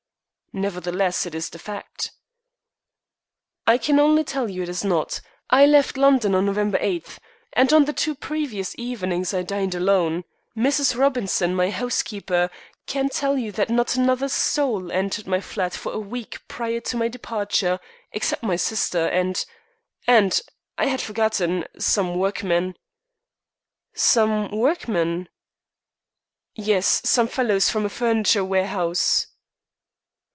"Nevertheless, it is the fact." "I can only tell you it is not. I left London on November 8, and on the two previous evenings I dined alone. Mrs. Robinson, my housekeeper, can tell you that not another soul entered my flat for a week prior to my departure, except my sister and and I had forgotten some workmen." "Some workmen?" "Yes; some fellows from a furniture warehouse."